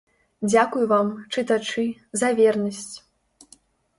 Дзякуй вам, чытачы, за вернасць!